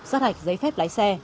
xác hạch giấy phép lái xe